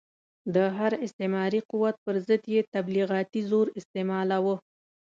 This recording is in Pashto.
د هر استعماري قوت پر ضد یې تبلیغاتي زور استعمالاوه.